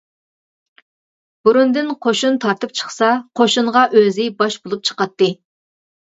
بۇرۇندىن قوشۇن تارتىپ چىقسا قوشۇنغا ئۆزى باش بولۇپ چىقاتتى.